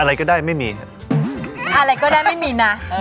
อะไรก็ได้ไม่มีนะ